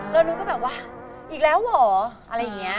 เรานุ่นก็แบบว่าอีกแล้วเหรออะไรอย่างเงี้ย